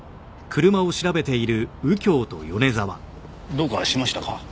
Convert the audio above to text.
どうかしましたか？